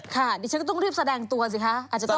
ข้าฉันก็ต้องหรือบแสดงตัวสิครับ